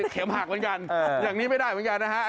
หักเหมือนกันอย่างนี้ไม่ได้เหมือนกันนะฮะ